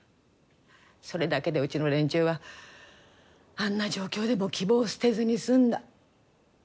それだけでうちの連中はあんな状況でも希望を捨てずに済んだ。